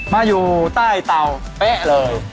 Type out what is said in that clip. อยู่ใต้เตาเป๊ะเลย